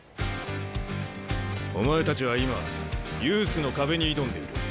お前たちは今ユースの壁に挑んでいる。